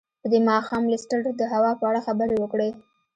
په دې ماښام لیسټرډ د هوا په اړه خبرې وکړې.